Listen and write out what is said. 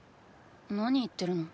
何言ってるの？